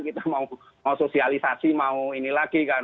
kita mau sosialisasi mau ini lagi kan